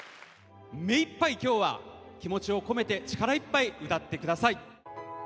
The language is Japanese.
目いっぱい今日は気持ちを込めて力いっぱい歌ってください。